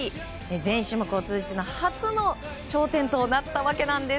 全種目を通じての初の頂点となったわけです。